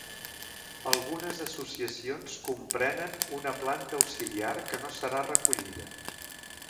Algunes associacions comprenen una planta auxiliar que no serà recollida.